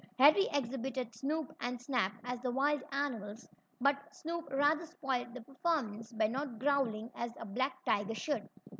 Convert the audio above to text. Harry exhibited Snoop and Snap as the wild animals, but Snoop rather spoiled the performance by not growling as a black tiger should.